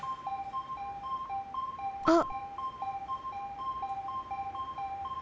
あっ！